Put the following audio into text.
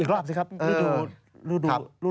อีกรอบสิครับฤดู